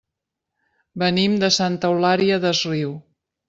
Venim de Santa Eulària des Riu.